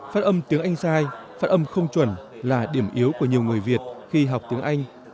phát âm tiếng anh sai phát âm không chuẩn là điểm yếu của nhiều người việt khi học tiếng anh